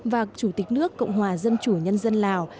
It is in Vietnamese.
và chủ tịch nước cộng hòa dân chủ nhân dân lào